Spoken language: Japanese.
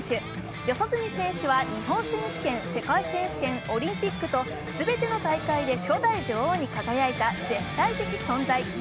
四十住選手は日本選手権、世界選手権、オリンピックと全ての大会で初代女王に輝いた絶対的存在。